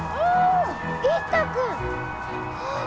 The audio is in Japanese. ああ！